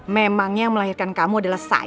memangnya yang melahirkan kamu adalah saya